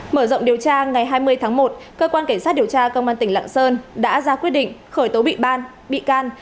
mở rộng điều tra ngày hai mươi tháng một cơ quan cảnh sát điều tra công an tỉnh lạng sơn đã ra quyết định khởi tố bị ban bị can